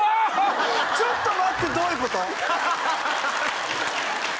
ちょっと待ってどういうこと？